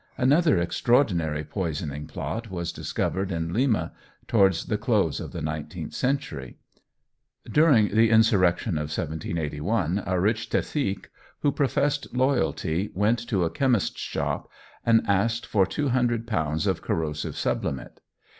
Another extraordinary poisoning plot was discovered in Lima towards the close of the eighteenth century. During the insurrection of 1781, a rich Cacique, who professed loyalty, went to a chemist's shop and asked for 200 lb. of corrosive sublimate.